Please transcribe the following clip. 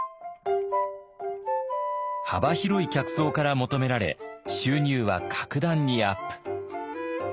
幅広い客層から求められ収入は格段にアップ。